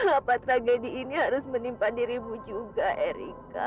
apa tragedi ini harus menimpan dirimu juga erika